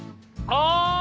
あ！